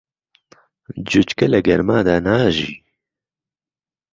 جوچکە لە گەرمادا ناژی.